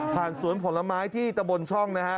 ผ่านสวนผลไม้ที่ตะบนช่อง